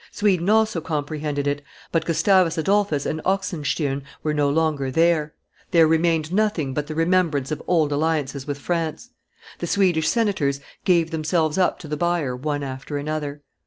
Sweden also comprehended it, but Gustavus Adolphus and Oxenstiern were no longer there; there remained nothing but the remembrance of old alliances with France; the Swedish senators gave themselves up to the buyer one after another.